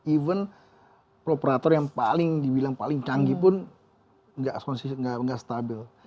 even properator yang paling dibilang paling canggih pun gak konsisten gak stabil